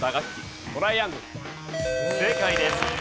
正解です。